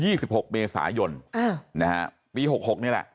ยี่สิบหกเมษายนครับเออนะฮะปีหกหกนี้แหละ